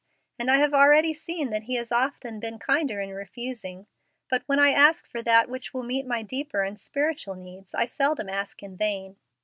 And I have already seen that He has often been kinder in refusing. But when I ask for that which will meet my deeper and spiritual needs I seldom ask in vain.